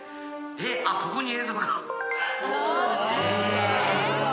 あっここに映像が。